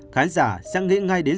khán giả sẽ nghĩ ngay đến